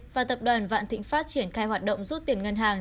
và tập đoàn vạn thịnh pháp triển khai hoạt động rút tiền ngân hàng